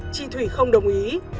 chị thủy không đồng ý